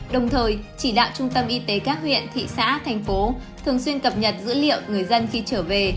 đồng thời chỉ đạo trung tâm y tế các huyện thị xã thành phố thường xuyên cập nhật dữ liệu người dân khi trở về